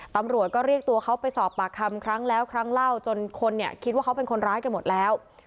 ตำรวจก็เรียกตัวเขาไปสอบปากคำครั้งแล้วครั้งเล่าจนคนเนี่ยคิดว่าเขาเป็นคนร้ายกันหมดแล้ว